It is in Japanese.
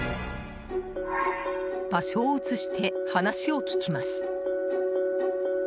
場所を移して話を聞きます。